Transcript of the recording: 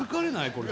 これ。